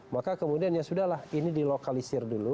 maka kemudian ya sudah lah ini dilokalisir dulu